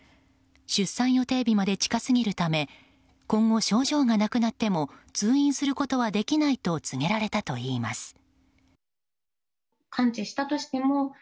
出産予定日まで近すぎるため今後、症状がなくなっても通院することはできないと告げられたといいます。